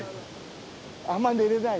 あんまり寝れてない。